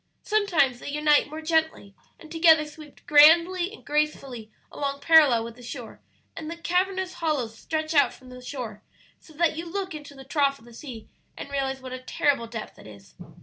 Sometimes they unite more gently, and together sweep grandly and gracefully along parallel with the shore; and the cavernous hollows stretch out from the shore so that you look into the trough of the sea and realize what a terrible depth it is.